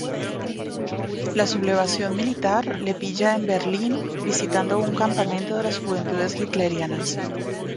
La sublevación militar le pilla en Berlín visitando un campamento de las Juventudes Hitlerianas.